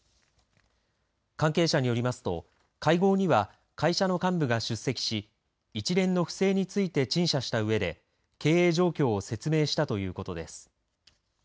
関係者によりますと、会合には会社の幹部が出席し一連の不正について陳謝したうえで経営状況を説明したということです。